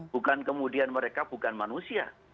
bukan kemudian mereka bukan manusia